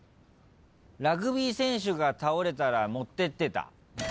ラグビー選手が倒れたら持ってってた。